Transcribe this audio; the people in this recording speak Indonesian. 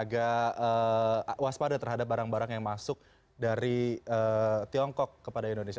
agak waspada terhadap barang barang yang masuk dari tiongkok kepada indonesia